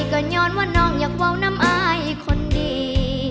ก็ย้อนว่าน้องอยากวาวน้ำอายคนดี